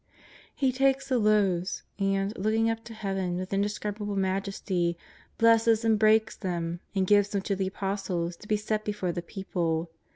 He takes the loaves, and, looking np to Heaven, with indescribable majesty, blesses and breaks them, and gives them to the Apostles to be set before the people.